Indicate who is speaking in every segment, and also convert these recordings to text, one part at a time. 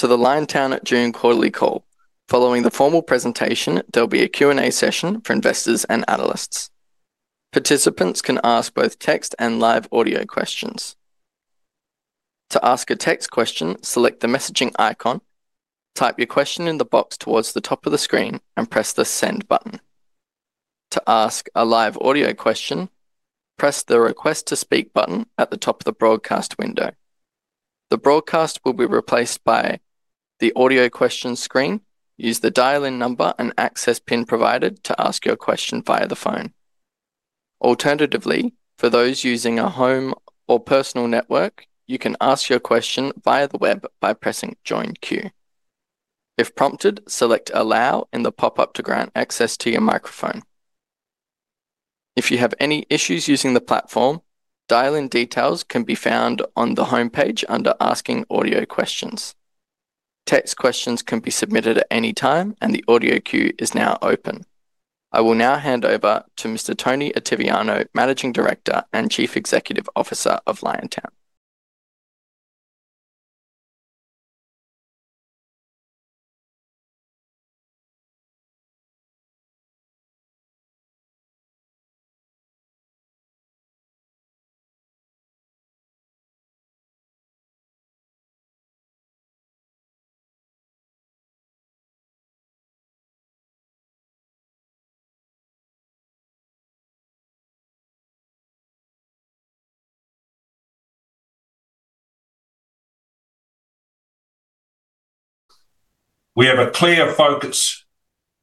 Speaker 1: To the Liontown June quarterly call. Following the formal presentation, there'll be a Q&A session for investors and analysts. Participants can ask both text and live audio questions. To ask a text question, select the messaging icon, type your question in the box towards the top of the screen, and press the send button. To ask a live audio question, press the Request to Speak button at the top of the broadcast window. The broadcast will be replaced by the audio question screen. Use the dial-in number and access PIN provided to ask your question via the phone. Alternatively, for those using a home or personal network, you can ask your question via the web by pressing Join Queue. If prompted, select Allow in the pop-up to grant access to your microphone. If you have any issues using the platform, dial-in details can be found on the homepage under Asking Audio Questions. Text questions can be submitted at any time, the audio queue is now open. I will now hand over to Mr. Tony Ottaviano, Managing Director and Chief Executive Officer of Liontown.
Speaker 2: We have a clear focus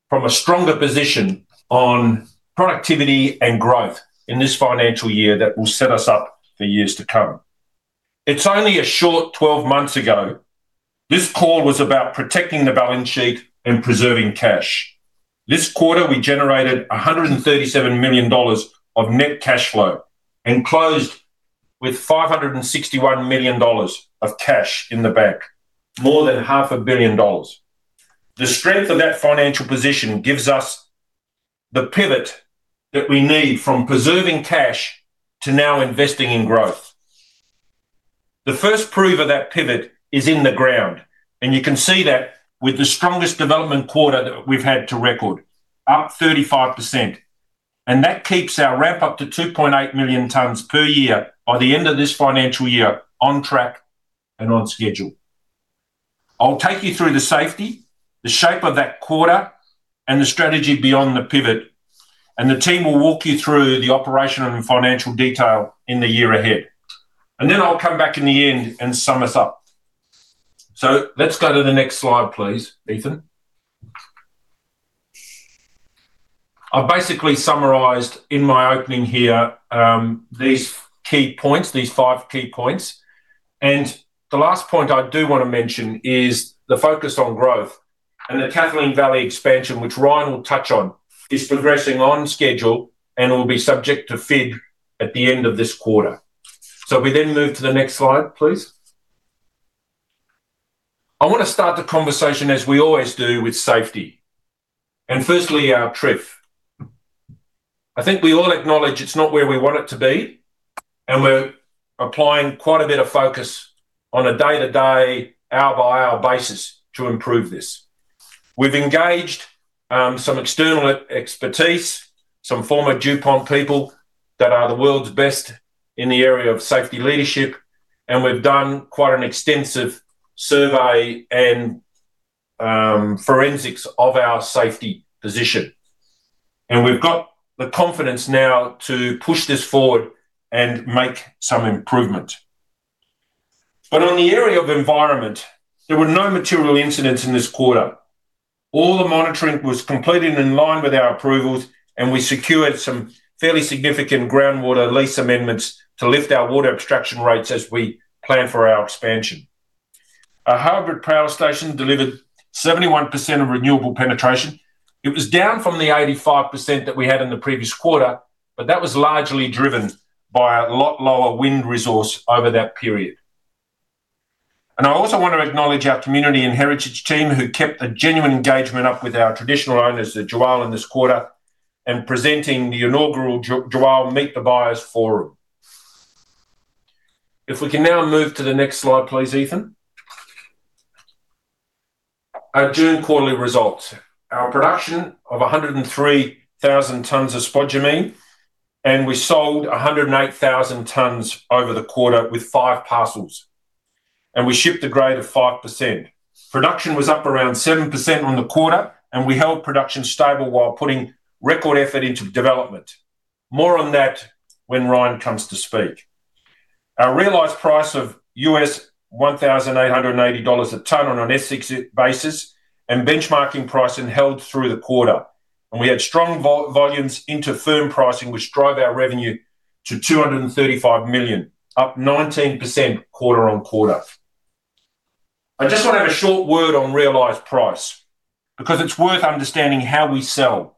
Speaker 2: from a stronger position on productivity and growth in this financial year that will set us up for years to come. It's only a short 12 months ago, this call was about protecting the balance sheet and preserving cash. This quarter, we generated 137 million dollars of net cash flow and closed with 561 million dollars of cash in the bank, more than 500 million dollars. The strength of that financial position gives us the pivot that we need from preserving cash to now investing in growth. The first proof of that pivot is in the ground, you can see that with the strongest development quarter that we've had to record, up 35%. That keeps our ramp up to 2.8 million tons per year by the end of this financial year on track and on schedule. I'll take you through the safety, the shape of that quarter, the strategy beyond the pivot, the team will walk you through the operational and financial detail in the year ahead. Then I'll come back in the end and sum us up. Let's go to the next slide, please, Ethan. I've basically summarized in my opening here, these key points, these five key points. The last point I do want to mention is the focus on growth and the Kathleen Valley expansion, which Ryan will touch on, is progressing on schedule and will be subject to FID at the end of this quarter. If we then move to the next slide, please. I want to start the conversation, as we always do, with safety. Firstly, our TRIFR. I think we all acknowledge it is not where we want it to be, and we are applying quite a bit of focus on a day-to-day, hour-by-hour basis to improve this. We have engaged some external expertise, some former DuPont people that are the world's best in the area of safety leadership, and we have done quite an extensive survey and forensics of our safety position. We have got the confidence now to push this forward and make some improvement. On the area of environment, there were no material incidents in this quarter. All the monitoring was completed in line with our approvals, and we secured some fairly significant groundwater lease amendments to lift our water abstraction rates as we plan for our expansion. Our hybrid power station delivered 71% of renewable penetration. It was down from the 85% that we had in the previous quarter, but that was largely driven by a lot lower wind resource over that period. I also want to acknowledge our community and heritage team who kept the genuine engagement up with our traditional owners, the Tjiwarl, in this quarter, and presenting the inaugural Tjiwarl Meet the Buyers Forum. If we can now move to the next slide, please, Ethan. Our June quarterly results. Our production of 103,000 tons of spodumene, and we sold 108,000 tons over the quarter with five parcels. We shipped a grade of 5%. Production was up around 7% on the quarter, and we held production stable while putting record effort into development. More on that when Ryan comes to speak. Our realized price of $1,880 a ton on an SC6e basis and benchmarking pricing held through the quarter. We had strong volumes into firm pricing, which drive our revenue to 235 million, up 19% quarter-on-quarter. I just want to have a short word on realized price, because it is worth understanding how we sell.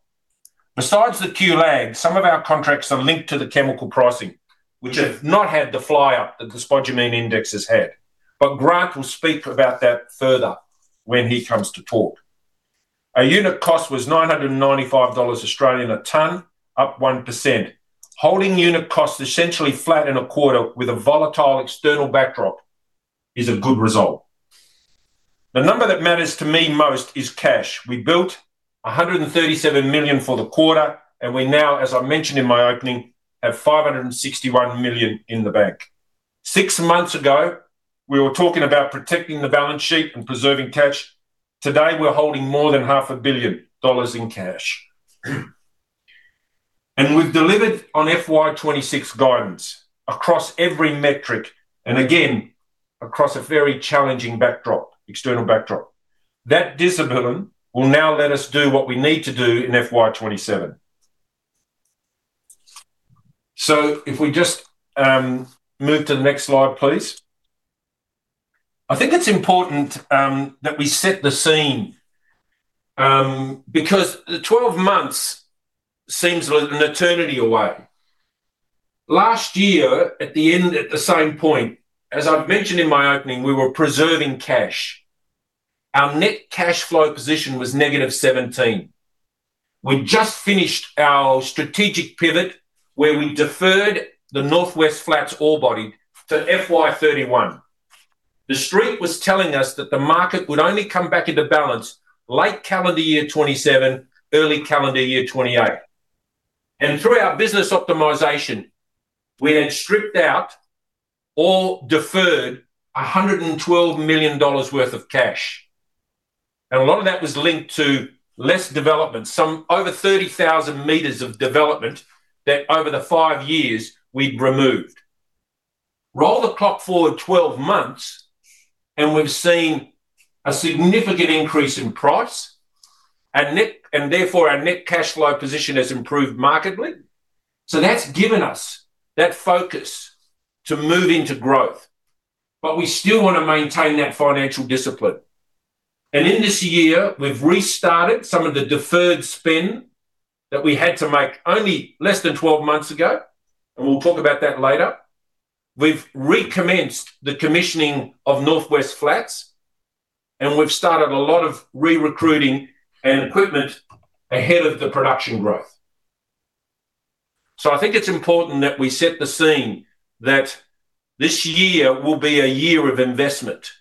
Speaker 2: Besides the Q lag, some of our contracts are linked to the chemical pricing, which have not had the flyup that the spodumene index has had. Grant will speak about that further when he comes to talk. Our unit cost was 995 Australian dollars a ton, up 1%. Holding unit costs essentially flat in a quarter with a volatile external backdrop is a good result. The number that matters to me most is cash. We built 137 million for the quarter, and we now, as I mentioned in my opening, have 561 million in the bank. Six months ago, we were talking about protecting the balance sheet and preserving cash. Today, we are holding more than 500 million dollars in cash. We have delivered on FY 2026 guidance across every metric, and again, across a very challenging external backdrop. That discipline will now let us do what we need to do in FY 2027. If we just move to the next slide, please. I think it is important that we set the scene because the 12 months seems an eternity away. Last year, at the same point, as I mentioned in my opening, we were preserving cash. Our net cash flow position was -17. We had just finished our strategic pivot where we deferred the North West Flats ore body to FY 2031. The Street was telling us that the market would only come back into balance late calendar year 2027, early calendar year 2028. Through our business optimization, we had stripped out or deferred 112 million dollars worth of cash. A lot of that was linked to less development. Over 30,000 m of development that over the five years we'd removed. Roll the clock forward 12 months, we've seen a significant increase in price. Therefore, our net cash flow position has improved markedly. That's given us that focus to move into growth. We still want to maintain that financial discipline. In this year, we've restarted some of the deferred spend that we had to make only less than 12 months ago, and we'll talk about that later. We've recommenced the commissioning of North West Flats, we've started a lot of re-recruiting and equipment ahead of the production growth. I think it's important that we set the scene that this year will be a year of investment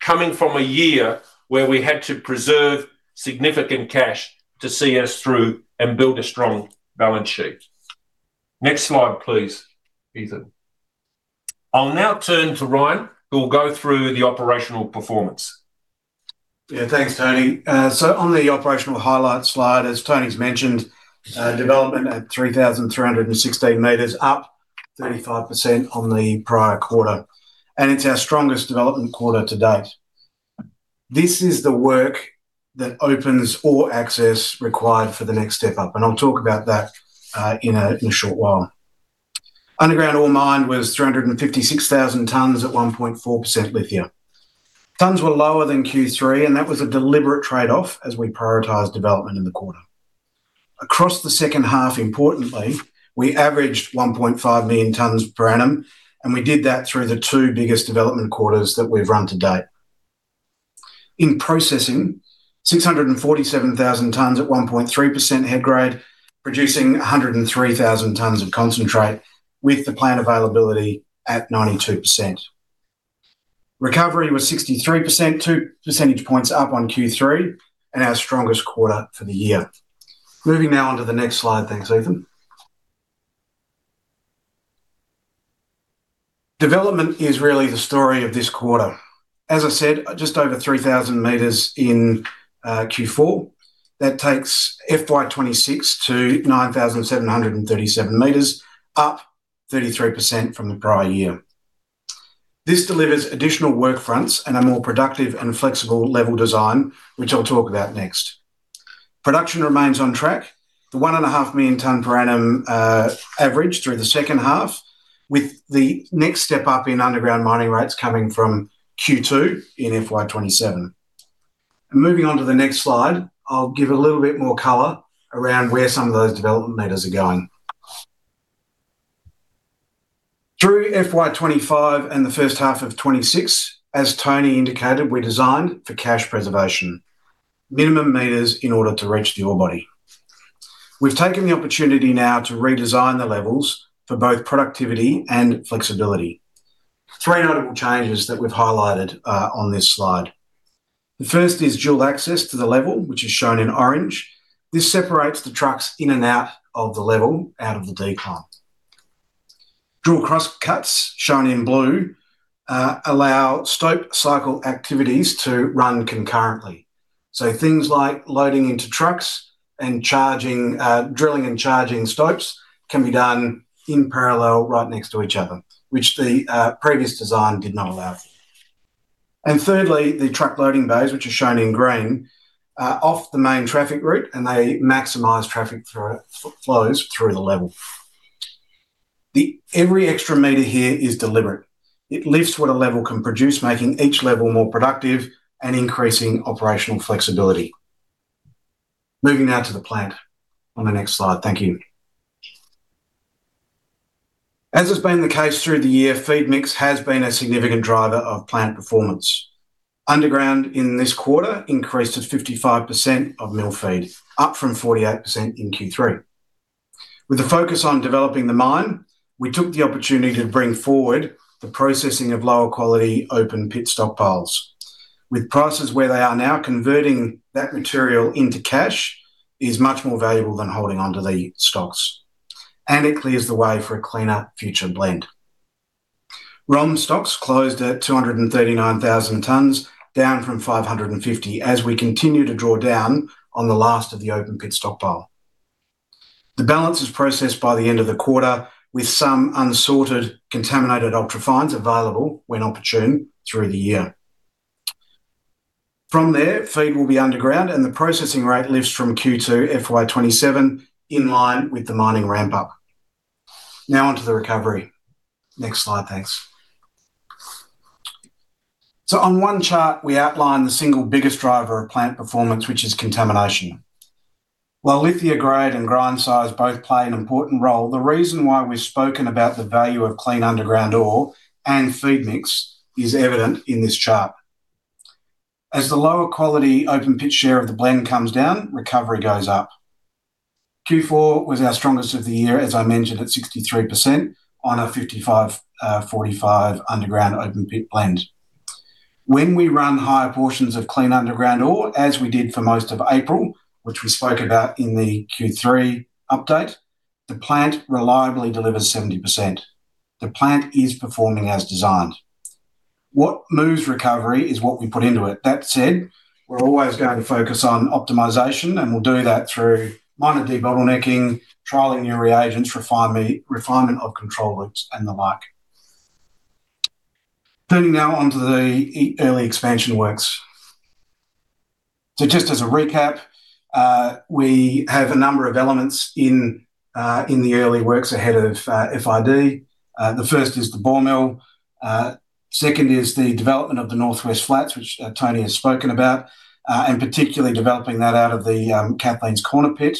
Speaker 2: coming from a year where we had to preserve significant cash to see us through and build a strong balance sheet. Next slide, please, Ethan. I'll now turn to Ryan, who will go through the operational performance.
Speaker 3: Yeah, thanks, Tony. On the operational highlights slide, as Tony's mentioned, development at 3,316 m, up 35% on the prior quarter, it's our strongest development quarter-to-date. This is the work that opens ore access required for the next step up, I'll talk about that in a short while. Underground ore mined was 356,000 tons at 1.4% lithium. Tons were lower than Q3, that was a deliberate trade-off as we prioritized development in the quarter. Across the second half, importantly, we averaged 1.5 million tons per annum, we did that through the two biggest development quarters that we've run to date. In processing 647,000 tons at 1.3% head grade, producing 103,000 tons of concentrate with the plant availability at 92%. Recovery was 63%, 2 percentage points up on Q3 and our strongest quarter for the year. Moving now onto the next slide. Thanks, Ethan. Development is really the story of this quarter. As I said, just over 3,000 m in Q4. That takes FY 2026 to 9,737 m, up 33% from the prior year. This delivers additional work fronts and a more productive and flexible level design, which I'll talk about next. Production remains on track. The 1.5 million ton per annum average through the second half with the next step up in underground mining rates coming from Q2 in FY 2027. Moving on to the next slide, I'll give a little bit more color around where some of those development meters are going. Through FY 2025 and the first half of 2026, as Tony indicated, we designed for cash preservation. Minimum meters in order to reach the ore body. We've taken the opportunity now to redesign the levels for both productivity and flexibility. Three notable changes that we've highlighted on this slide. The first is dual access to the level, which is shown in orange. This separates the trucks in and out of the level out of the decline. Dual crosscuts, shown in blue, allow stope cycle activities to run concurrently. Things like loading into trucks and drilling and charging stopes can be done in parallel right next to each other, which the previous design did not allow for. Thirdly, the truck loading bays, which are shown in green, are off the main traffic route, and they maximize traffic flows through the level. Every extra meter here is deliberate. It lifts what a level can produce, making each level more productive and increasing operational flexibility. Moving now to the plant on the next slide. Thank you. As has been the case through the year, feed mix has been a significant driver of plant performance. Underground in this quarter increased to 55% of mill feed, up from 48% in Q3. With a focus on developing the mine, we took the opportunity to bring forward the processing of lower quality open pit stockpiles. With prices where they are now, converting that material into cash is much more valuable than holding onto the stocks, and it clears the way for a cleaner future blend. ROM stocks closed at 239,000 tons, down from 550, as we continue to draw down on the last of the open pit stockpile. The balance is processed by the end of the quarter with some unsorted contaminated ultra fines available when opportune through the year. From there, feed will be underground and the processing rate lifts from Q2 FY 2027 in line with the mining ramp-up. On to the recovery. Next slide, thanks. On one chart, we outline the single biggest driver of plant performance, which is contamination. While lithium grade and grind size both play an important role, the reason why we've spoken about the value of clean underground ore and feed mix is evident in this chart. As the lower quality open pit share of the blend comes down, recovery goes up. Q4 was our strongest of the year, as I mentioned, at 63% on a 55/45 underground open pit blend. When we run higher portions of clean underground ore, as we did for most of April, which we spoke about in the Q3 update, the plant reliably delivers 70%. The plant is performing as designed. What moves recovery is what we put into it. That said, we're always going to focus on optimization, and we'll do that through minor debottlenecking, trialing new reagents, refinement of control loops and the like. Turning onto the early expansion works. Just as a recap, we have a number of elements in the early works ahead of FID. The first is the ball mill. Second is the development of the Northwest Flats, which Tony has spoken about, and particularly developing that out of the Kathleen's Corner pit.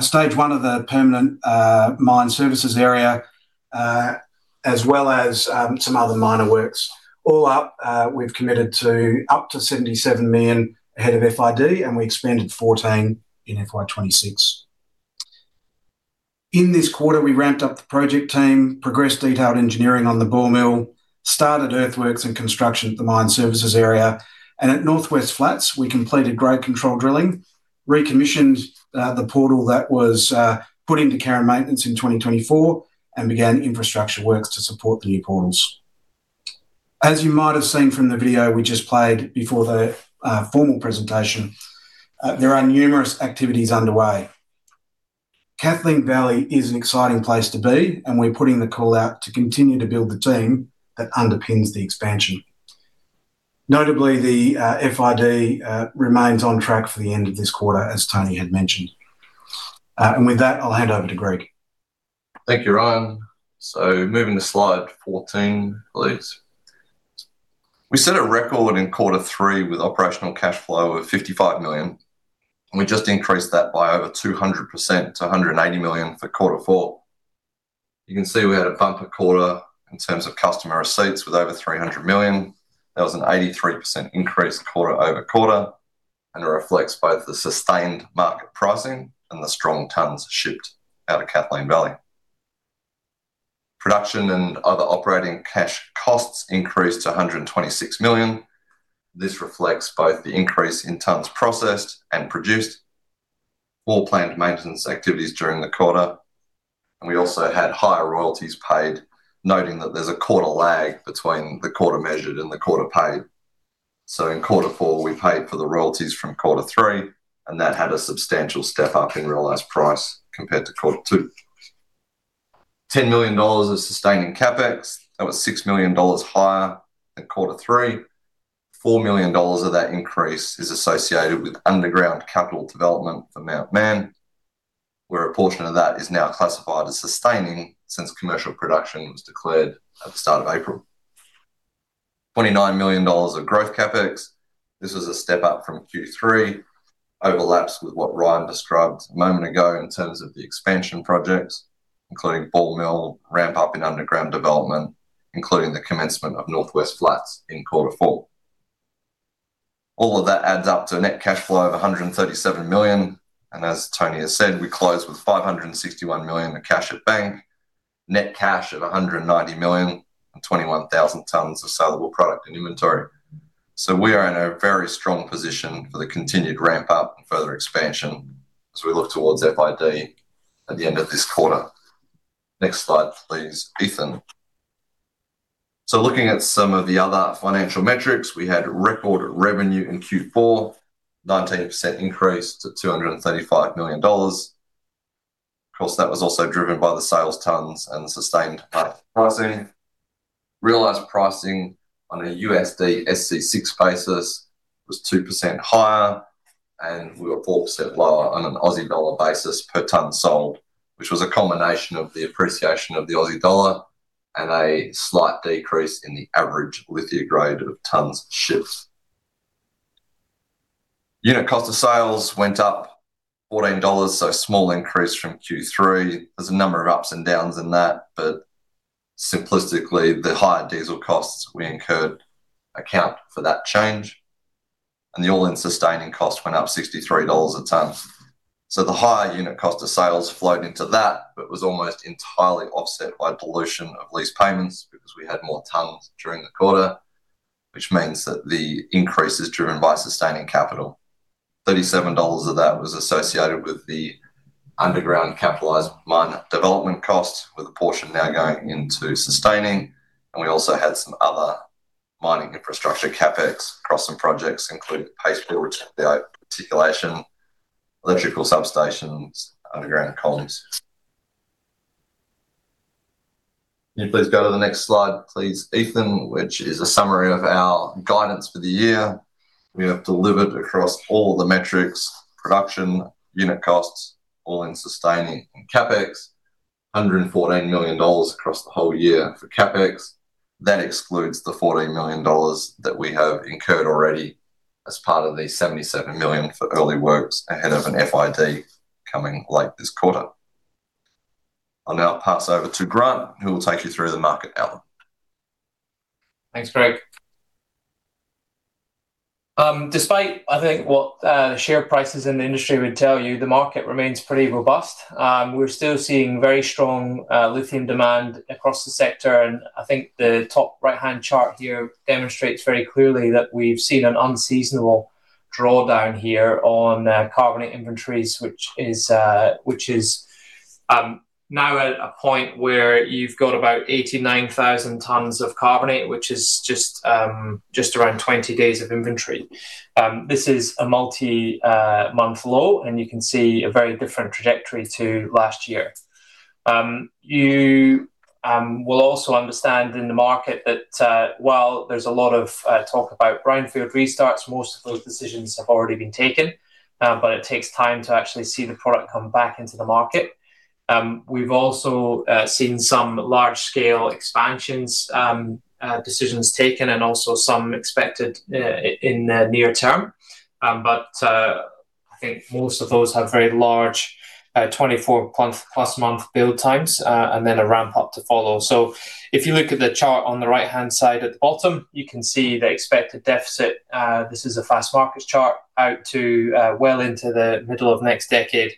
Speaker 3: Stage I of the permanent mine services area, as well as some other minor works. All up, we've committed to up to 77 million ahead of FID, and we expended [14 million] in FY 2026. In this quarter, we ramped up the project team, progressed detailed engineering on the ball mill, started earthworks and construction at the mine services area, and at Northwest Flats, we completed grade control drilling, recommissioned the portal that was put into care and maintenance in 2024, and began infrastructure works to support the new portals. As you might have seen from the video we just played before the formal presentation, there are numerous activities underway. Kathleen Valley is an exciting place to be, and we're putting the call out to continue to build the team that underpins the expansion. Notably, the FID remains on track for the end of this quarter, as Tony had mentioned. With that, I'll hand over to Greg.
Speaker 4: Thank you, Ryan. Moving to slide 14, please. We set a record in quarter three with operational cash flow of 55 million. We just increased that by over 200% to 180 million for quarter four. You can see we had a bumper quarter in terms of customer receipts with over 300 million. That was an 83% increase quarter-over-quarter and reflects both the sustained market pricing and the strong tons shipped out of Kathleen Valley. Production and other operating cash costs increased to 126 million. This reflects both the increase in tons processed and produced, all planned maintenance activities during the quarter. We also had higher royalties paid, noting that there's a quarter lag between the quarter measured and the quarter paid. In quarter four, we paid for the royalties from quarter three, and that had a substantial step up in realized price compared to quarter two. 10 million dollars of sustaining CapEx. That was 6 million dollars higher than quarter three. 4 million dollars of that increase is associated with underground capital development for Mount Mann, where a portion of that is now classified as sustaining since commercial production was declared at the start of April. 29 million dollars of growth CapEx. This is a step up from Q3, overlaps with what Ryan described a moment ago in terms of the expansion projects, including ball mill ramp up and underground development, including the commencement of Northwest Flats in quarter four. All of that adds up to a net cash flow of 137 million. As Tony has said, we closed with 561 million of cash at bank, net cash of 190 million and 21,000 tons of sellable product and inventory. We are in a very strong position for the continued ramp up and further expansion as we look towards FID at the end of this quarter. Next slide, please, Ethan. Looking at some of the other financial metrics, we had record revenue in Q4, 19% increase to 235 million dollars. Of course, that was also driven by the sales tons and sustained pricing. Realized pricing on a USD SC6 basis was 2% higher, and we were 4% lower on an Aussie dollar basis per ton sold, which was a combination of the appreciation of the Aussie dollar and a slight decrease in the average lithium grade of tons shipped. Unit cost of sales went up AUD 14, small increase from Q3. There is a number of ups and downs in that, simplistically, the higher diesel costs we incurred account for that change, and the all-in sustaining cost went up 63 dollars a ton. The higher unit cost of sales flowed into that, but was almost entirely offset by dilution of lease payments because we had more tons during the quarter, which means that the increase is driven by sustaining capital. 37 dollars of that was associated with the underground capitalized mine development costs, with a portion now going into sustaining, and we also had some other mining infrastructure CapEx across some projects, including the paste fill, return air ventilation, electrical substations, underground columns. Can you please go to the next slide, please, Ethan? Which is a summary of our guidance for the year. We have delivered across all the metrics, production, unit costs, all in sustaining and CapEx, 114 million dollars across the whole year for CapEx. That excludes the 14 million dollars that we have incurred already as part of the 77 million for early works ahead of an FID coming late this quarter. I will now pass over to Grant, who will take you through the market outlook.
Speaker 5: Thanks, Greg. Despite, I think, what the share prices in the industry would tell you, the market remains pretty robust. We are still seeing very strong lithium demand across the sector, I think the top right-hand chart here demonstrates very clearly that we have seen an unseasonal drawdown here on carbonate inventories, which is now at a point where you have got about 89,000 tons of carbonate, which is just around 20 days of inventory. This is a multi-month low, you can see a very different trajectory to last year. You will also understand in the market that while there is a lot of talk about brownfield restarts, most of those decisions have already been taken, but it takes time to actually see the product come back into the market. We have also seen some large-scale expansions decisions taken and also some expected in the near term. I think most of those have very large 24+ month build times, then a ramp up to follow. If you look at the chart on the right-hand side at the bottom, you can see the expected deficit. This is a Fastmarkets chart out to well into the middle of next decade.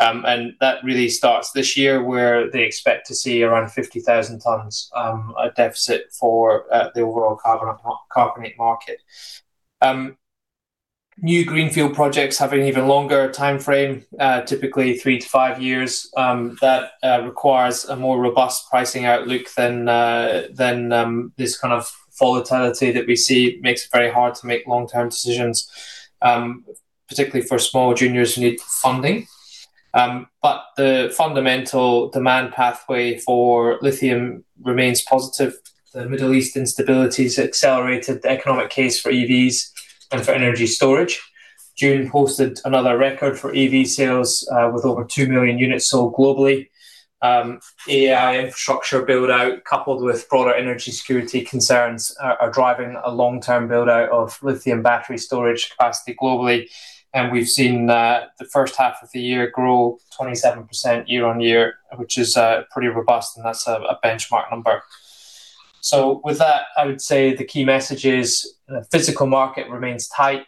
Speaker 5: That really starts this year, where they expect to see around 50,000 tons of deficit for the overall carbonate market. New greenfield projects have an even longer timeframe, typically three to five years. That requires a more robust pricing outlook than this kind of volatility that we see makes it very hard to make long-term decisions, particularly for small juniors who need funding. The fundamental demand pathway for lithium remains positive. The Middle East instabilities accelerated the economic case for EVs and for energy storage. June posted another record for EV sales with over 2 million units sold globally. AI infrastructure build-out, coupled with broader energy security concerns, are driving a long-term build-out of lithium battery storage capacity globally, and we've seen the first half of the year grow 27% year-over-year, which is pretty robust, and that's a benchmark number. With that, I would say the key message is the physical market remains tight.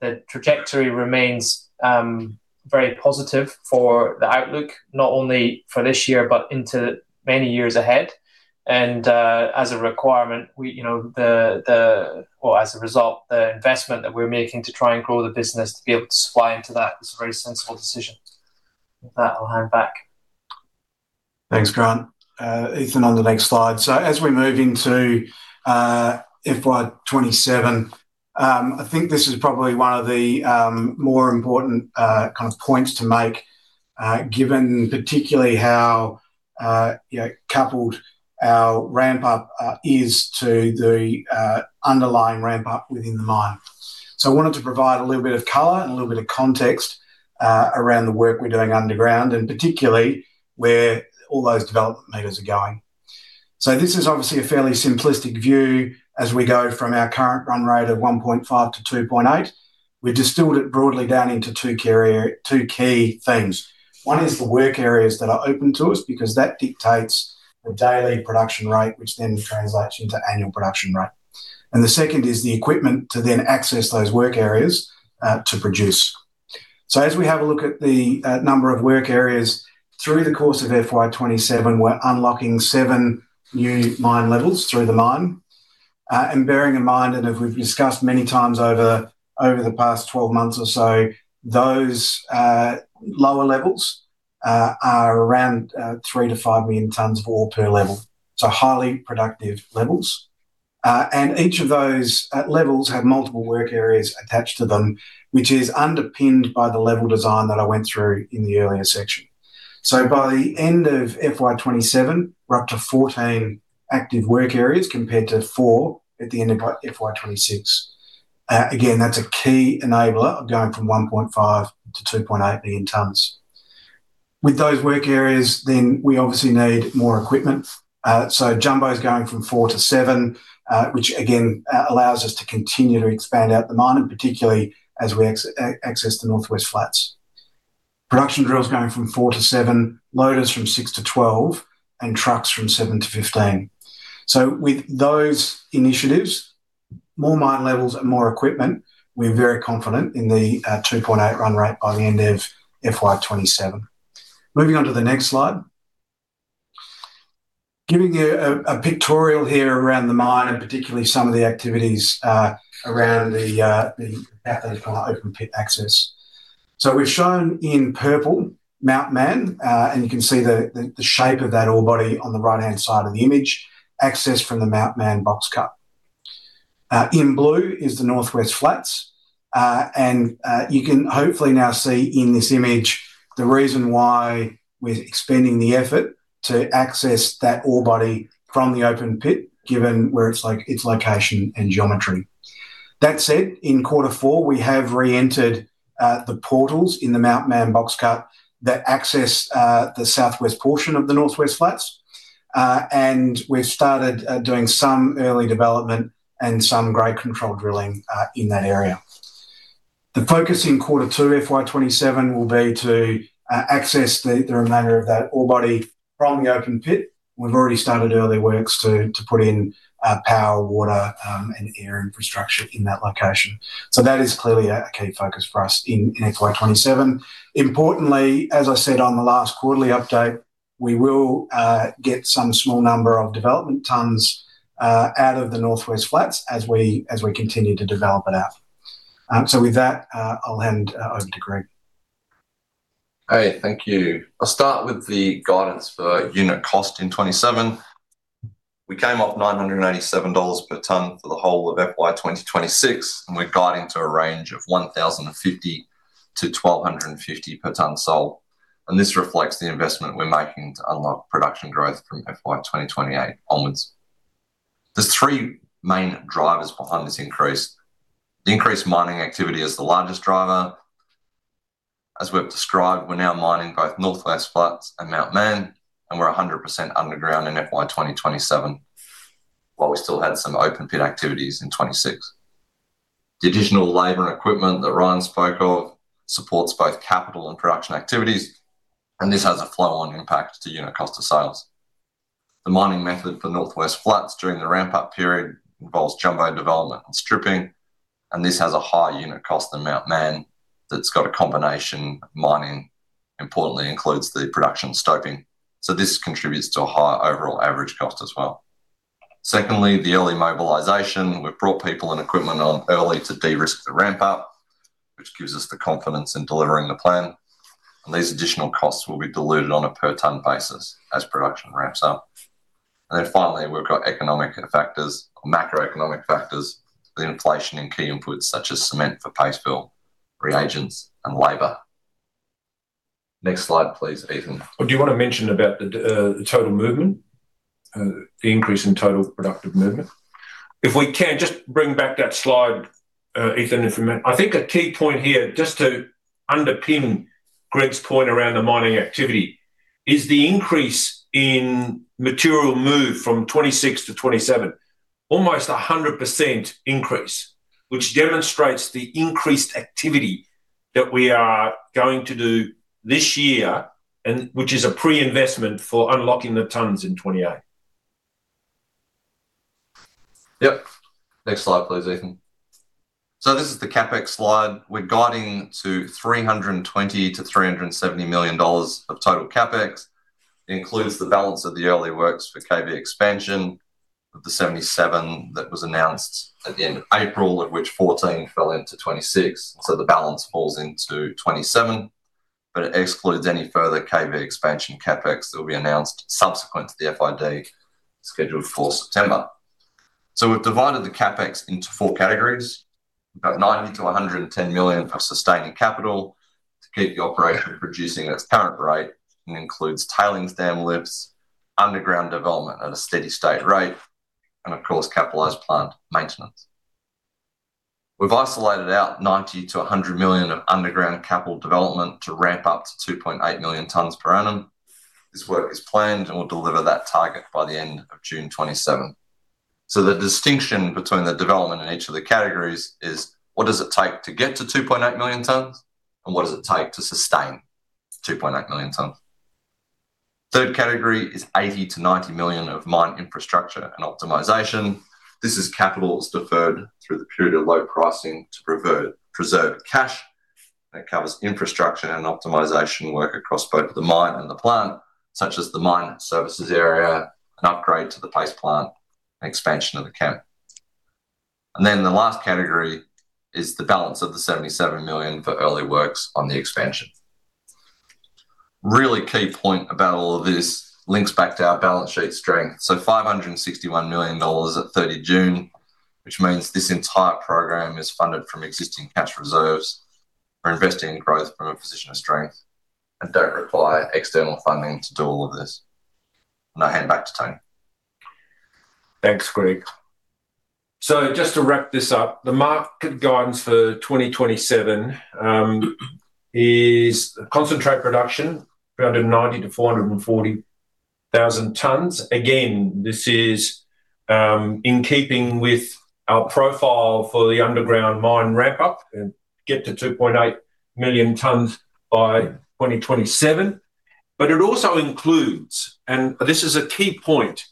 Speaker 5: The trajectory remains very positive for the outlook, not only for this year, but into many years ahead. As a result, the investment that we're making to try and grow the business to be able to supply into that is a very sensible decision. With that, I'll hand back.
Speaker 3: Thanks, Grant. Ethan, on the next slide. As we move into FY 2027, I think this is probably one of the more important points to make, given particularly how coupled our ramp up is to the underlying ramp up within the mine. I wanted to provide a little bit of color and a little bit of context around the work we're doing underground, and particularly where all those development meters are going. This is obviously a fairly simplistic view as we go from our current run rate of 1.5-2.8. We've distilled it broadly down into two key themes. One is the work areas that are open to us, because that dictates the daily production rate, which then translates into annual production rate. The second is the equipment to then access those work areas to produce. As we have a look at the number of work areas, through the course of FY 2027, we're unlocking seven new mine levels through the mine. Bearing in mind, as we've discussed many times over the past 12 months or so, those lower levels are around 3 million-5 million tons of ore per level. Highly productive levels. Each of those levels have multiple work areas attached to them, which is underpinned by the level design that I went through in the earlier section. By the end of FY 2027, we're up to 14 active work areas compared to four at the end of FY 2026. Again, that's a key enabler of going from 1.5 million-2.8 million tons. With those work areas, we obviously need more equipment. Jumbos going from four to seven, which again, allows us to continue to expand out the mine, and particularly as we access the Northwest Flats. Production drills going from four to seven, loaders from six to 12, and trucks from seven to 15. With those initiatives, more mine levels and more equipment, we're very confident in the 2.8 run rate by the end of FY 2027. Moving on to the next slide. Giving you a pictorial here around the mine and particularly some of the activities around the path of open pit access. We've shown in purple Mount Mann, and you can see the shape of that ore body on the right-hand side of the image, access from the Mount Mann box cut. In blue is the Northwest Flats. You can hopefully now see in this image the reason why we're expending the effort to access that ore body from the open pit, given its location and geometry. That said, in quarter four, we have reentered the portals in the Mount Mann box cut that access the southwest portion of the Northwest Flats. We've started doing some early development and some grade control drilling in that area. The focus in Q2 FY 2027 will be to access the remainder of that ore body from the open pit. We've already started early works to put in power, water, and air infrastructure in that location. That is clearly a key focus for us in FY 2027. Importantly, as I said on the last quarterly update, we will get some small number of development tons out of the Northwest Flats as we continue to develop it out. With that, I'll hand over to Greg.
Speaker 4: Hey, thank you. I'll start with the guidance for unit cost in 2027. We came off 987 dollars per ton for the whole of FY 2026, we're guiding to a range of 1,050- 1,250 per ton sold. This reflects the investment we're making to unlock production growth from FY 2028 onwards. There's three main drivers behind this increase. The increased mining activity is the largest driver. As we've described, we're now mining both Northwest Flats and Mount Mann, we're 100% underground in FY 2027, while we still had some open pit activities in 2026. The additional labor and equipment that Ryan spoke of supports both capital and production activities, this has a flow-on impact to unit cost of sales. The mining method for Northwest Flats during the ramp-up period involves jumbo development and stripping, this has a higher unit cost than Mount Mann that's got a combination of mining, importantly includes the production stoping. This contributes to a higher overall average cost as well. Secondly, the early mobilization. We've brought people and equipment on early to de-risk the ramp-up, which gives us the confidence in delivering the plan. These additional costs will be diluted on a per ton basis as production ramps up. Finally, we've got economic factors or macroeconomic factors, the inflation in key inputs such as cement for paste fill, reagents, and labor. Next slide, please, Ethan.
Speaker 2: Do you want to mention about the total movement? The increase in total productive movement? If we can just bring back that slide, Ethan, if you may. I think a key point here, just to underpin Greg's point around the mining activity, is the increase in material move from 2026-2027. Almost 100% increase, which demonstrates the increased activity that we are going to do this year, and which is a pre-investment for unlocking the tons in 2028.
Speaker 4: Yep. Next slide, please, Ethan. This is the CapEx slide. We're guiding to 320 million-370 million dollars of total CapEx. Includes the balance of the early works for KV expansion of the 77 that was announced at the end of April, of which 14 fell into 2026. The balance falls into 2027. It excludes any further KV expansion CapEx that will be announced subsequent to the FID scheduled for September. We've divided the CapEx into four categories. About 90 million-110 million for sustaining capital to keep the operation producing at its current rate, and includes tailings dam lifts, underground development at a steady state rate, and of course, capitalized plant maintenance. We've isolated out 90 million-100 million of underground capital development to ramp up to 2.8 million tons per annum. This work is planned and will deliver that target by the end of June 2027. The distinction between the development in each of the categories is what does it take to get to 2.8 million tons and what does it take to sustain 2.8 million tons? Third category is 80 million-90 million of mine infrastructure and optimization. This is capital that's deferred through the period of low pricing to preserve cash. That covers infrastructure and optimization work across both the mine and the plant, such as the mine services area, an upgrade to the base plant, and expansion of the camp. The last category is the balance of the 77 million for early works on the expansion. Really key point about all of this links back to our balance sheet strength. 561 million dollars at June 30, which means this entire program is funded from existing cash reserves. We're investing in growth from a position of strength and don't require external funding to do all of this. I hand back to Tony.
Speaker 2: Thanks, Greg. Just to wrap this up, the market guidance for 2027 is concentrate production 390,000 tons-440,000 tons. Again, this is in keeping with our profile for the underground mine ramp up and get to 2.8 million tons by 2027. It also includes, this is a key point,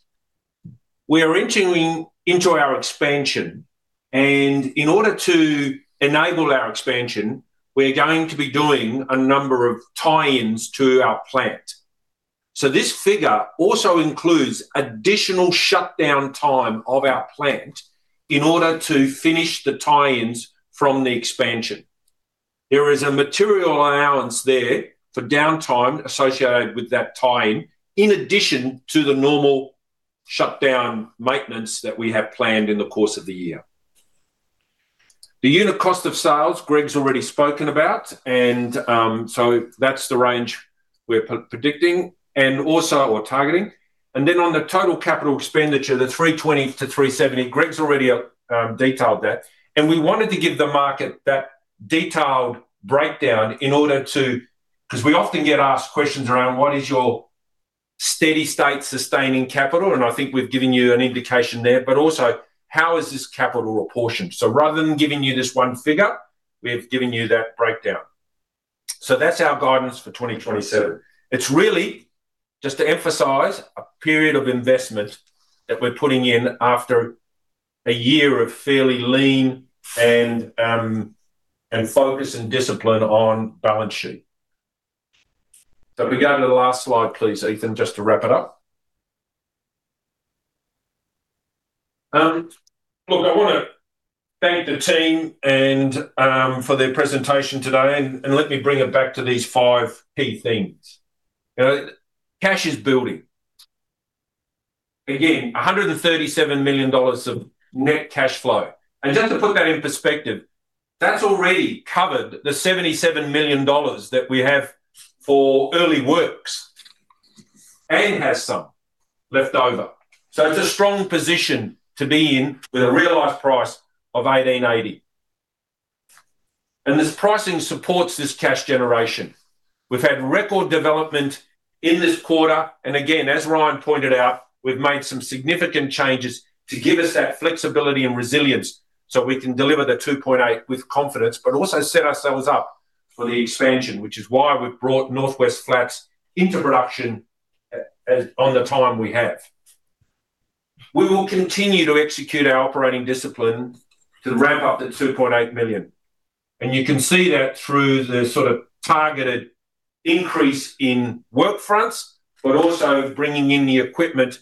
Speaker 2: we're entering into our expansion, and in order to enable our expansion, we're going to be doing a number of tie-ins to our plant. This figure also includes additional shutdown time of our plant in order to finish the tie-ins from the expansion. There is a material allowance there for downtime associated with that tie-in, in addition to the normal shutdown maintenance that we have planned in the course of the year. The unit cost of sales, Greg's already spoken about, and so that's the range we're predicting or targeting. On the total capital expenditure, the 320 million-370 million, Greg's already detailed that. We wanted to give the market that detailed breakdown in order to because we often get asked questions around, "What is your steady state sustaining capital?" I think we've given you an indication there. Also, "How is this capital apportioned?" Rather than giving you this one figure, we've given you that breakdown. That's our guidance for 2027. It's really, just to emphasize, a period of investment that we're putting in after a year of fairly lean and focus and discipline on balance sheet. If we go to the last slide, please, Ethan, just to wrap it up. I want to thank the team and for their presentation today, and let me bring it back to these five key themes. Cash is building. Again, 137 million dollars of net cash flow. Just to put that in perspective, that's already covered the 77 million dollars that we have for early works and has some left over. It's a strong position to be in with a realized price of $1,880. This pricing supports this cash generation. We've had record development in this quarter, and again, as Ryan pointed out, we've made some significant changes to give us that flexibility and resilience so we can deliver the 2.8 with confidence, but also set ourselves up for the expansion, which is why we've brought North West Flats into production on the time we have. We will continue to execute our operating discipline to ramp up that 2.8 million. You can see that through the sort of targeted increase in work fronts, but also bringing in the equipment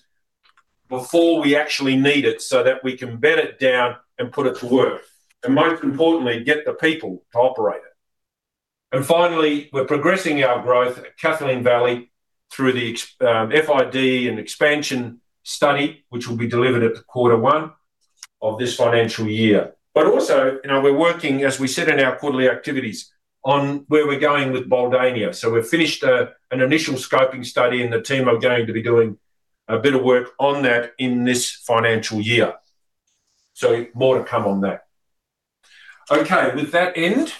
Speaker 2: before we actually need it so that we can bed it down and put it to work. Most importantly, get the people to operate it. Finally, we're progressing our growth at Kathleen Valley through the FID and expansion study, which will be delivered at the quarter one of this financial year. Also, we're working, as we said in our quarterly activities, on where we're going with Buldania. We've finished an initial scoping study, and the team are going to be doing a bit of work on that in this financial year. More to come on that. With that end,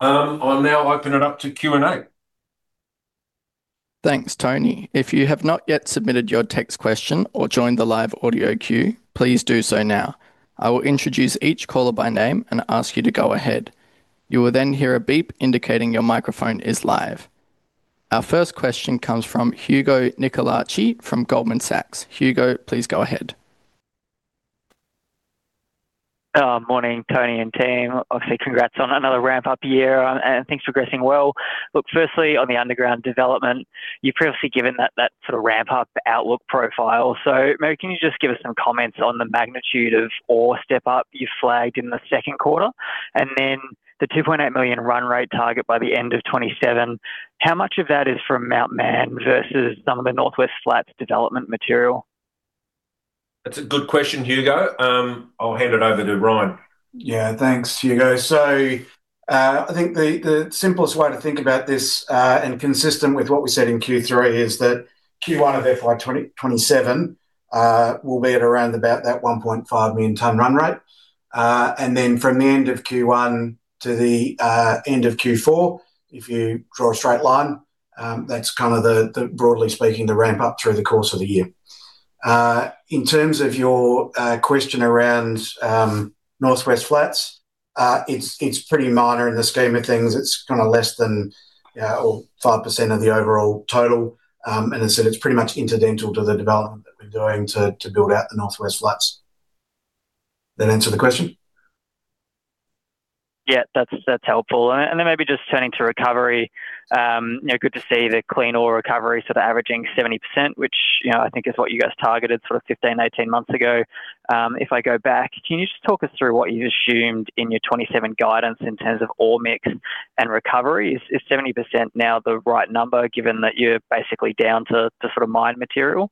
Speaker 2: I'll now open it up to Q&A.
Speaker 1: Thanks, Tony. If you have not yet submitted your text question or joined the live audio queue, please do so now. I will introduce each caller by name and ask you to go ahead. You will then hear a beep indicating your microphone is live. Our first question comes from Hugo Nicolaci from Goldman Sachs. Hugo, please go ahead.
Speaker 6: Morning, Tony and team. Obviously, congrats on another ramp-up year and things progressing well. Look, firstly, on the underground development, you've previously given that sort of ramp-up outlook profile. Maybe can you just give us some comments on the magnitude of ore step up you flagged in the second quarter? The 2.8 million run rate target by the end of 2027, how much of that is from Mount Mann versus some of the North West Flats development material?
Speaker 2: That's a good question, Hugo. I'll hand it over to Ryan.
Speaker 3: Yeah. Thanks, Hugo. I think the simplest way to think about this, and consistent with what we said in Q3, is that Q1 of FY 2027 will be at around about that 1.5 million ton run rate. From the end of Q1 to the end of Q4, if you draw a straight line, that's kind of the, broadly speaking, the ramp up through the course of the year. In terms of your question around North West Flats, it's pretty minor in the scheme of things. It's kind of less than or 5% of the overall total. As I said, it's pretty much incidental to the development that we're doing to build out the North West Flats. That answer the question?
Speaker 6: Yeah. That's helpful. Maybe just turning to recovery. Good to see the clean ore recovery sort of averaging 70%, which I think is what you guys targeted sort of 15, 18 months ago. If I go back, can you just talk us through what you assumed in your FY 2027 guidance in terms of ore mix and recovery? Is 70% now the right number given that you're basically down to sort of mined material?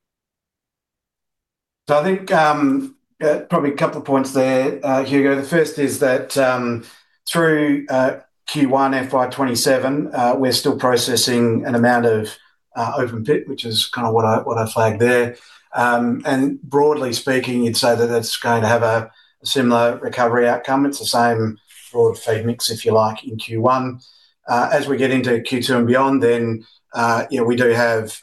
Speaker 3: I think probably a couple points there, Hugo. The first is that through Q1 FY 2027, we're still processing an amount of open pit, which is what I flagged there. Broadly speaking, you'd say that that's going to have a similar recovery outcome. It's the same broad feed mix, if you like, in Q1. As we get into Q2 and beyond, we do have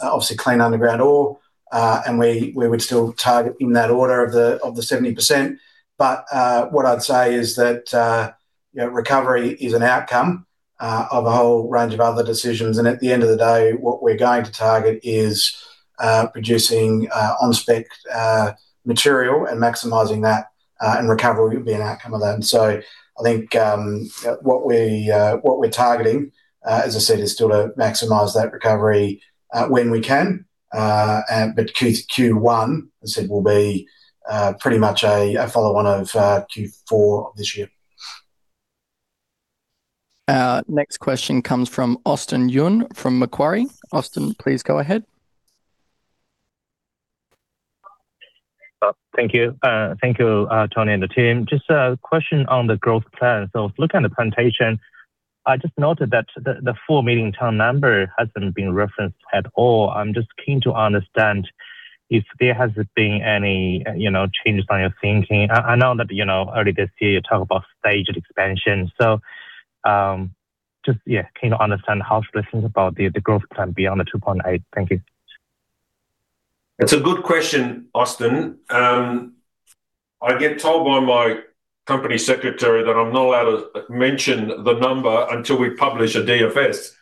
Speaker 3: obviously clean underground ore, and we would still target in that order of the 70%. What I'd say is that recovery is an outcome of a whole range of other decisions. At the end of the day, what we're going to target is producing on-spec material and maximizing that, and recovery would be an outcome of that. I think what we're targeting, as I said, is still to maximize that recovery when we can. Q1, as I said, will be pretty much a follow on of Q4 of this year.
Speaker 1: Our next question comes from Austin Yun from Macquarie. Austin, please go ahead.
Speaker 7: Thank you. Thank you, Tony and the team. I was looking at the presentation. I just noted that the full million ton number hasn't been referenced at all. I'm just keen to understand if there has been any changes on your thinking. I know that earlier this year you talked about staged expansion, just, yeah, keen to understand how to listen about the growth plan beyond the 2.8. Thank you.
Speaker 2: It's a good question, Austin. I get told by my company secretary that I'm not allowed to mention the number until we publish a DFS.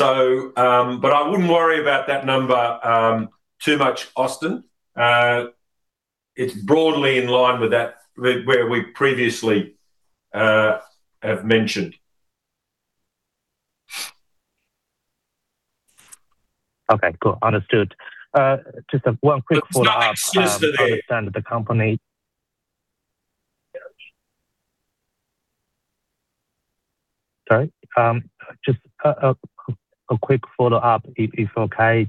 Speaker 2: I wouldn't worry about that number too much, Austin. It's broadly in line with where we previously have mentioned.
Speaker 7: Okay, cool. Understood. Just one quick follow-up-
Speaker 2: Look, it's not exclusively-
Speaker 7: I understand the company. Sorry, just a quick follow-up, if okay.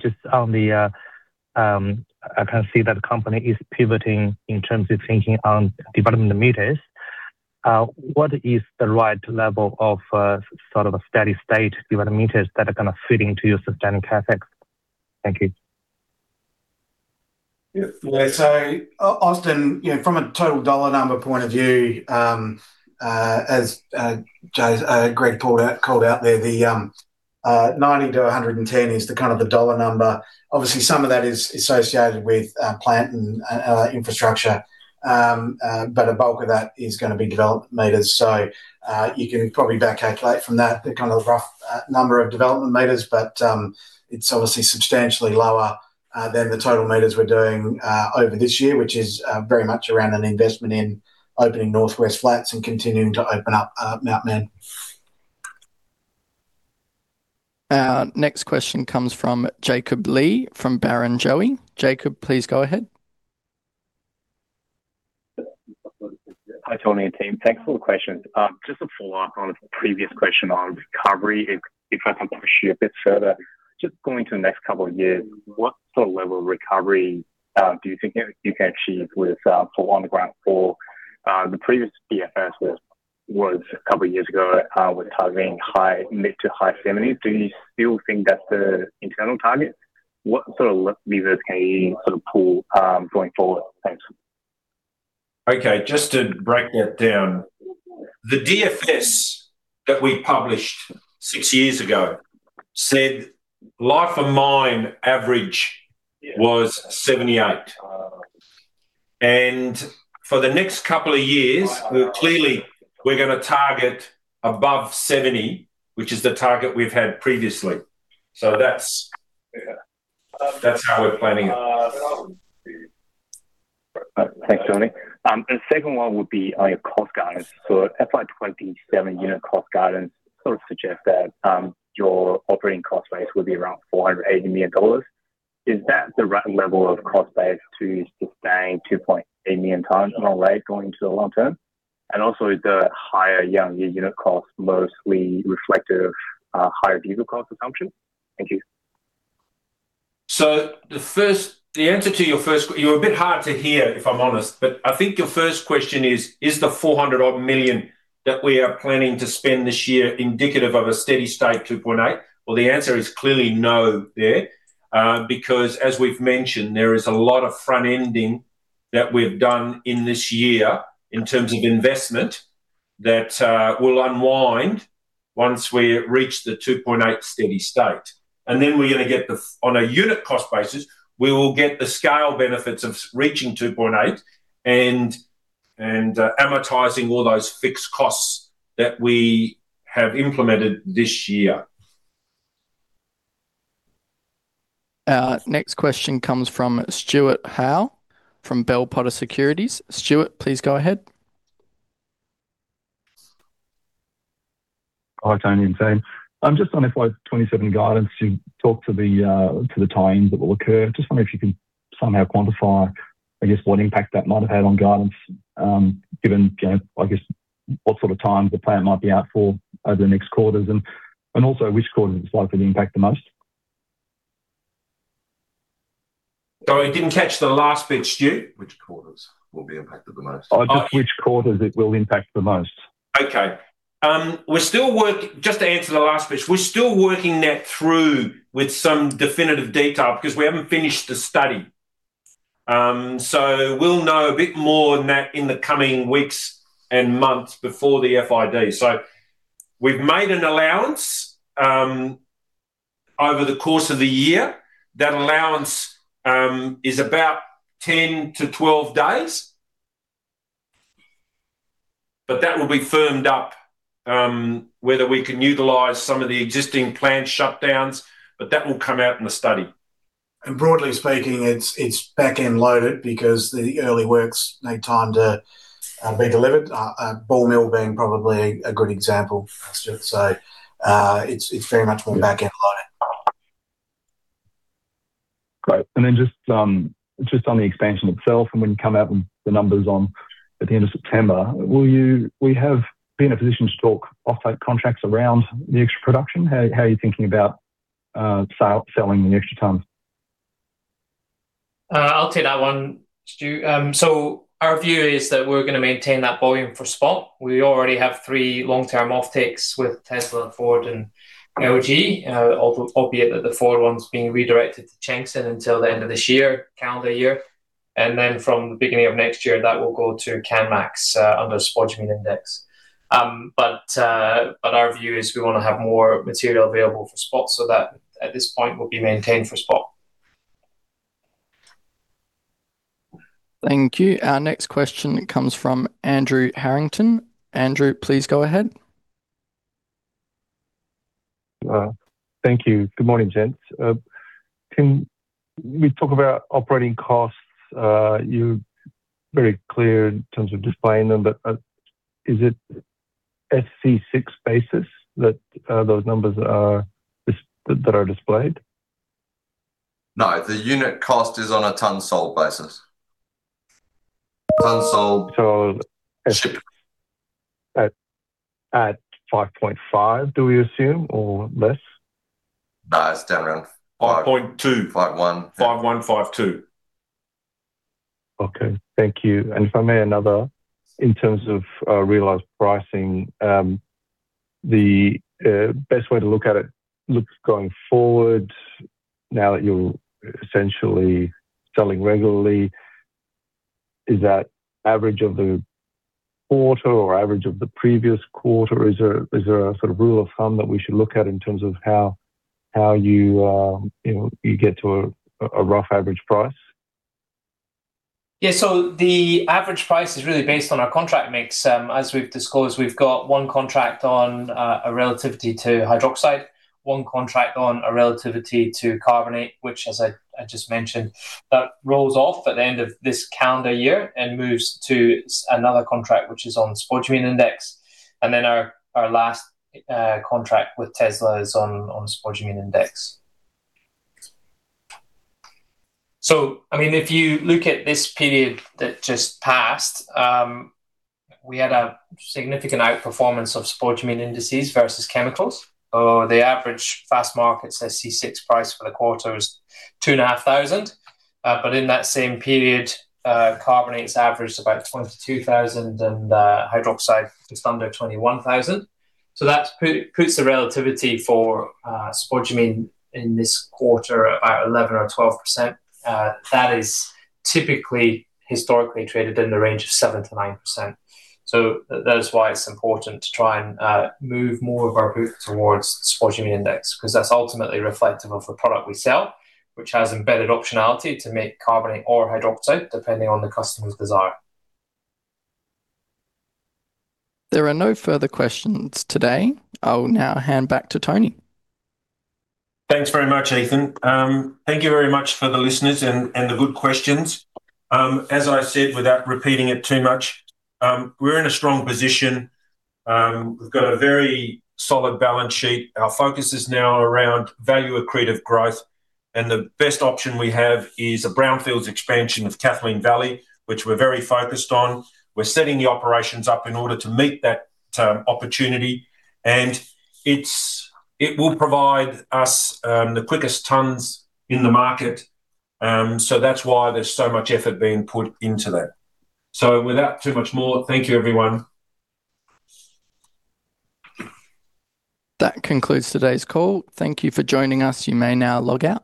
Speaker 7: I can see that the company is pivoting in terms of thinking on development meters. What is the right level of sort of a steady state development meters that are going to fit into your sustaining CapEx? Thank you.
Speaker 3: Yeah. Austin, from a total dollar number point of view, as Greg called out there, the 90-110 is the kind of the dollar number. Obviously, some of that is associated with plant and infrastructure. A bulk of that is going to be development meters. You can probably back calculate from that the kind of rough number of development meters. It's obviously substantially lower than the total meters we're doing over this year, which is very much around an investment in opening Northwest Flats and continuing to open up Mount Mann.
Speaker 1: Our next question comes from Jacob Li from Barrenjoey. Jacob, please go ahead.
Speaker 8: Hi, Tony and team. Thanks for the questions. Just a follow-up on a previous question on recovery, if I can push you a bit further. Just going to the next couple of years, what sort of level of recovery do you think you can achieve with full underground ore? The previous DFS was a couple of years ago, was targeting mid to high 70s. Do you still think that's the internal target? What sort of levers can you sort of pull going forward? Thanks.
Speaker 2: Okay. Just to break that down. The DFS that we published six years ago said life of mine average was 78%. For the next couple of years, clearly, we're going to target above 70%, which is the target we've had previously. That's how we're planning it.
Speaker 8: Thanks, Tony. The second one would be on your cost guidance. FY 2027 unit cost guidance sort of suggest that your operating cost base will be around 480 million dollars. Is that the right level of cost base to sustain 2.8 million tons on a rate going into the long term? Also, is the higher year-on-year unit cost mostly reflective of higher diesel cost assumption? Thank you.
Speaker 2: You're a bit hard to hear, if I'm honest. I think your first question is the 400-odd million that we are planning to spend this year indicative of a steady state 2.8? The answer is clearly no there. As we've mentioned, there is a lot of front-ending that we've done in this year in terms of investment that will unwind once we reach the 2.8 steady state. On a unit cost basis, we will get the scale benefits of reaching 2.8 and amortizing all those fixed costs that we have implemented this year.
Speaker 1: Our next question comes from Stuart Howe from Bell Potter Securities. Stuart, please go ahead.
Speaker 9: Hi, Tony and team. Just on FY 2027 guidance, you talked to the tie-ins that will occur. Just wondering if you can somehow quantify I guess what impact that might have had on guidance, given, I guess, what sort of time the plant might be out for over the next quarters. Also which quarters it's likely to impact the most?
Speaker 2: Sorry, didn't catch the last bit, Stu.
Speaker 3: Which quarters will be impacted the most?
Speaker 9: Just which quarters it will impact the most.
Speaker 2: Just to answer the last bit, we're still working that through with some definitive detail because we haven't finished the study. We'll know a bit more on that in the coming weeks and months before the FID. We've made an allowance over the course of the year. That allowance is about 10-12 days, but that will be firmed up, whether we can utilize some of the existing plant shutdowns, but that will come out in the study.
Speaker 3: Broadly speaking, it's back-end loaded because the early works need time to be delivered, ball mill being probably a good example for us. It's very much more back-end loaded.
Speaker 9: Great. Then just on the expansion itself and when you come out with the numbers at the end of September, will you be in a position to talk off-take contracts around the extra production? How are you thinking about selling the extra tons?
Speaker 5: I'll take that one, Stu. Our view is that we're going to maintain that volume for spot. We already have three long-term offtakes with Tesla and Ford and LG, albeit that the Ford one's being redirected to Chengxin until the end of this year, calendar year. Then from the beginning of next year, that will go to Canmax, under spodumene index. Our view is we want to have more material available for spot, that at this point will be maintained for spot.
Speaker 1: Thank you. Our next question comes from Andrew Harrington. Andrew, please go ahead.
Speaker 10: Thank you. Good morning, gents. Can we talk about operating costs? You're very clear in terms of displaying them, is it SC6 basis that those numbers that are displayed?
Speaker 4: No, the unit cost is on a ton sold basis.
Speaker 10: Sold-
Speaker 4: Ship
Speaker 10: at 5.5, do we assume or less?
Speaker 4: No, it's down around-
Speaker 2: 5.2
Speaker 4: 5.1.
Speaker 2: 5.1, 5.2.
Speaker 10: Okay, thank you. If I may, another, in terms of realized pricing, the best way to look at it looks going forward now that you're essentially selling regularly, is that average of the quarter or average of the previous quarter? Is there a sort of rule of thumb that we should look at in terms of how you get to a rough average price?
Speaker 5: The average price is really based on our contract mix. As we have disclosed, we have got one contract on a relativity to hydroxide, one contract on a relativity to carbonate, which as I just mentioned, that rolls off at the end of this calendar year and moves to another contract which is on spodumene index. Our last contract with Tesla is on spodumene index. If you look at this period that just passed, we had a significant outperformance of spodumene indices versus chemicals, or the average Fastmarkets SC6 price for the quarter was 2,500. In that same period, carbonate has averaged about 22,000 and hydroxide just under 21,000. That puts the relativity for spodumene in this quarter about 11% or 12%. That is typically historically traded in the range of 7%-9%. That is why it is important to try and move more of our book towards spodumene index because that is ultimately reflective of the product we sell, which has embedded optionality to make carbonate or hydroxide depending on the customer's desire.
Speaker 1: There are no further questions today. I will now hand back to Tony.
Speaker 2: Thanks very much, Ethan. Thank you very much for the listeners and the good questions. As I said, without repeating it too much, we are in a strong position. We have got a very solid balance sheet. Our focus is now around value accretive growth, and the best option we have is a brownfields expansion of Kathleen Valley, which we are very focused on. We are setting the operations up in order to meet that opportunity, and it will provide us the quickest tons in the market. That is why there is so much effort being put into that. Without too much more, thank you everyone.
Speaker 1: That concludes today's call. Thank you for joining us. You may now log out.